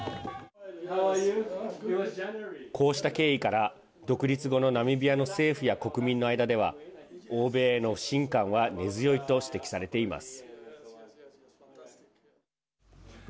こうした経緯から独立後のナミビアの政府や国民の間では欧米への不信感は根強いと指摘されています。